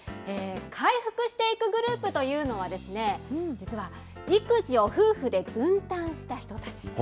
回復していくグループというのは、実は、育児を夫婦で分担した人たち。